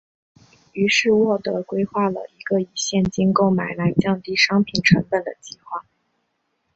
于是沃德规划了一个以现金购买来降低商品成本的计划。